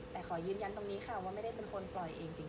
แต่ขอยืนยันตรงนี้ค่ะว่าไม่ได้เป็นคนปล่อยเองจริง